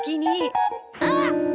あっ！